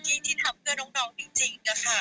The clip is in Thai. ที่ทำเพื่อน้องจริงนะคะ